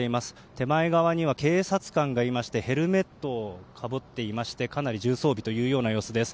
手前側には警察官がいましてヘルメットをかぶっていましてかなり重装備というような様子です。